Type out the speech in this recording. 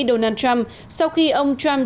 donald trump sau khi ông trump